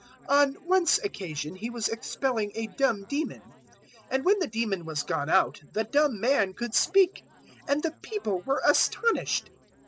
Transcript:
011:014 On once occasion He was expelling a dumb demon; and when the demon was gone out the dumb man could speak, and the people were astonished.